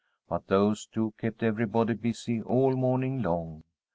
But those two kept everybody busy all morning long.